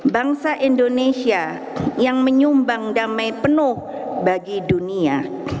bangsa indonesia yang menyumbang damai penuh bagi dunia